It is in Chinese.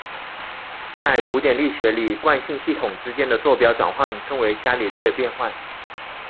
在古典力学里惯性系统之间的座标转换称为伽利略变换。